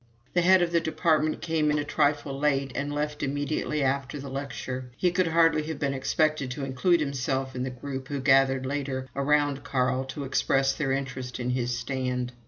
The head of the Department came in a trifle late and left immediately after the lecture. He could hardly have been expected to include himself in the group who gathered later around Carl to express their interest in his stand.